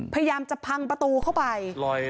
พยายามจะพังประตูเข้าไป